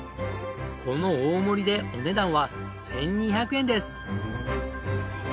この大盛りでお値段は１２００円です。